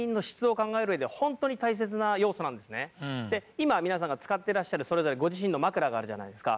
今皆さんが使ってらっしゃるそれぞれご自身の枕があるじゃないですか。